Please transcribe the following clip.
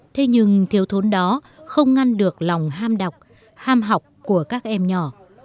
thế nhưng thiếu thốn đó không ngăn được lòng ham đọc ham học của các em nhỏ